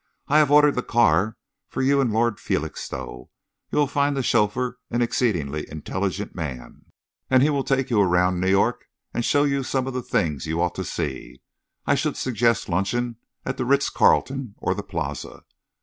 "I have ordered the car for you and Lord Felixstowe. You will find the chauffeur an exceedingly intelligent man, and he will take you around New York and show you some of the things you ought to see. I should suggest luncheon at the Ritz Carlton or the Plaza."